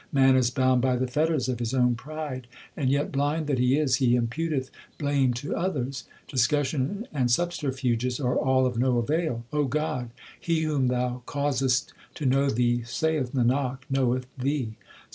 Man is bound by the fetters of his own pride, And yet, blind that he is, he imputeth blame to others. Discussion and subterfuges are all of no avail. God, he whom Thou causest to know Thee, saith Nanak, knoweth Thee.